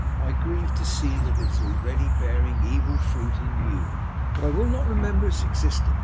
I grieve to see that it is already bearing evil fruit in you. But I will not remember its existence.